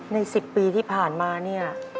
๑๐ปีที่ผ่านมาเนี่ย